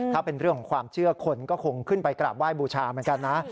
ถ้าเป็นเรื่องของความเชื่อคนก็คงขึ้นไปกราบไหว้บูชาเหมือนกันนะ